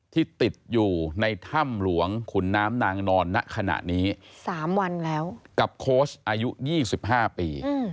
ที่ติดอยู่ในถ้ำหลวงขุนน้ำนางนอนน่ะขณะนี้สามวันแล้วกับโค้ชอายุยี่สิบห้าปีอืม